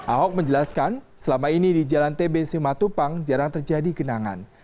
ahok menjelaskan selama ini di jalan tbc matupang jarang terjadi genangan